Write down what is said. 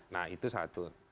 nah itu satu